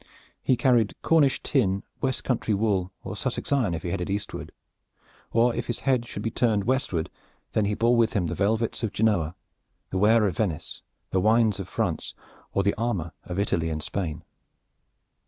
He carried Cornish tin, Welt country wool, or Sussex iron if he traded eastward, or if his head should be turned westward then he bore with him the velvets of Genoa, the ware of Venice, the wine of France, or the armor of Italy and Spain.